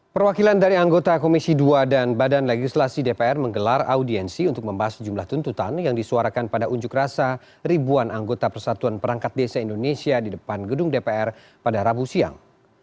perwakilan dari anggota komisi dua dan badan legislasi dpr menggelar audiensi untuk membahas jumlah tuntutan yang disuarakan pada unjuk rasa ribuan anggota persatuan perangkat desa indonesia di depan gedung dpr pada rabu siang